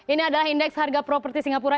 ini adalah indeks harga properti singapura